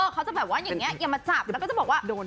เขาจะแบบว่าอย่างนี้อย่ามาจับแล้วก็จะบอกว่า